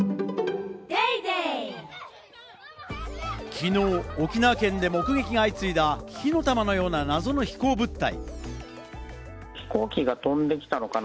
昨日、沖縄県で目撃が相次いだ火の玉のような謎の飛行物体。